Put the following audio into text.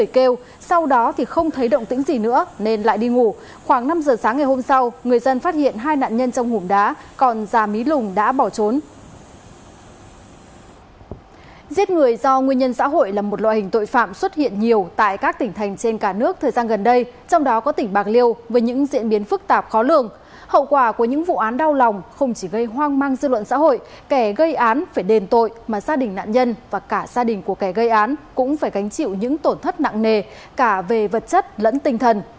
kẻ gây án phải đền tội mà gia đình nạn nhân và cả gia đình của kẻ gây án cũng phải gánh chịu những tổn thất nặng nề cả về vật chất lẫn tinh thần